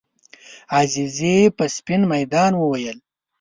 عزیزي په سپین میدان وویل.